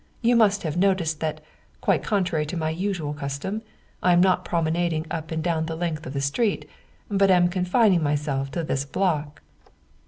You must have noticed that, quite con trary to my usual custom, I am not promenading up and down the length of the street, but am confining myself to this block."